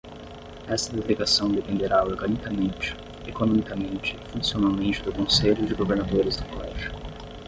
Esta delegação dependerá organicamente, economicamente e funcionalmente do Conselho de Governadores do Colégio.